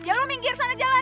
ya lu minggir sana jalan